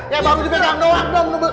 ya baru di pegang doang